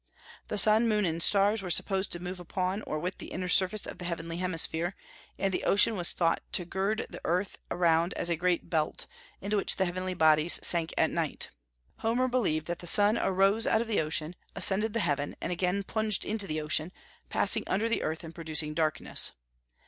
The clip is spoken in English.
The sun, moon, and stars were supposed to move upon or with the inner surface of the heavenly hemisphere, and the ocean was thought to gird the earth around as a great belt, into which the heavenly bodies sank at night. Homer believed that the sun arose out of the ocean, ascended the heaven, and again plunged into the ocean, passing under the earth, and producing darkness.